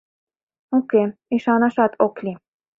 Уке, ӱшанашат ок лий...